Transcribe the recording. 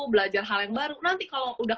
belajar hal yang baru nanti kalau udah